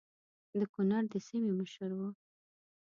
د کنړ د سیمې مشر وو.